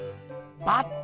バッタ！